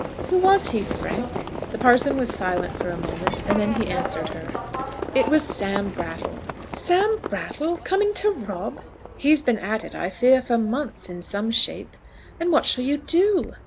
"Who was he, Frank?" The parson was silent for a moment, and then he answered her. "It was Sam Brattle." "Sam Brattle, coming to rob?" "He's been at it, I fear, for months, in some shape." "And what shall you do?"